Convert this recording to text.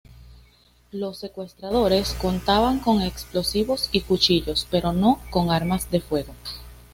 Los secuestradores contaban con explosivos y cuchillos pero no con armas de fuego.